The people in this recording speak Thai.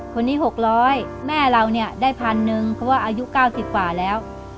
คนนี้๖๐๐แม่เราเนี่ยได้พันหนึ่งเพราะว่าอายุ๙๐กว่าแล้ว